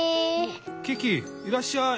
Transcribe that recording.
キキいらっしゃい。